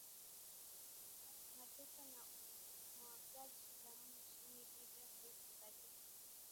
mateso na umwagaji damu nchini libya haukubaliki